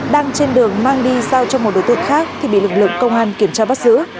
đang trên đường mang đi giao cho một đối tượng khác thì bị lực lượng công an kiểm tra bắt giữ